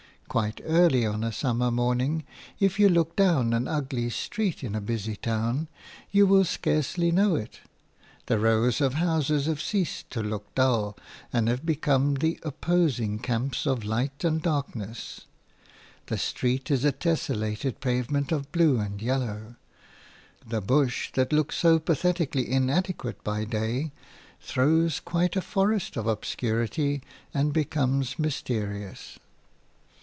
Quite early on a summer morning, if you look down an ugly street in a busy town, you will scarcely know it. The rows of houses have ceased to look dull, and have become the opposing camps of light and darkness; the street is a tessellated pavement of blue and yellow; the bush that looks so pathetically inadequate by day throws quite a forest of obscurity and becomes mysterious.